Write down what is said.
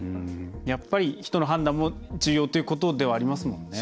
やっぱり人の判断も重要ということはありますもんね。